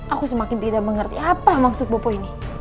aku semakin tidak mengerti apa maksud bopo ini